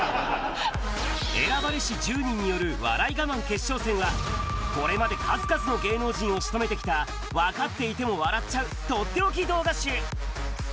選ばれし１０人による笑いガマン決勝戦は、これまで数々の芸能人をしとめてきた分かっていても笑っちゃう、とっておき動画集。